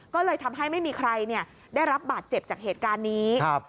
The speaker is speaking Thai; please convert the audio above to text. ก็เลยทำให้ไม่มีใครได้รับบาดเจ็บจากเหตุการณ์นี้